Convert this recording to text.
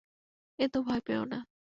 এতো ভয় পেয় না।